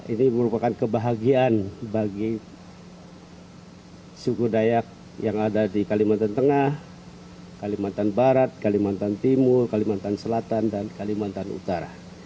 ini merupakan kebahagiaan bagi suku dayak yang ada di kalimantan tengah kalimantan barat kalimantan timur kalimantan selatan dan kalimantan utara